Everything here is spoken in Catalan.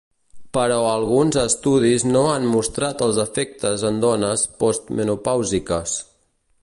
Però alguns estudis no han mostrat els efectes en dones postmenopàusiques.